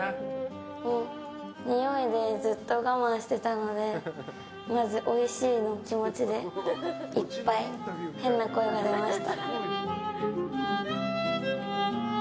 もう、においでずっと我慢してたのでまず、おいしいの気持ちでいっぱい変な声が出ました。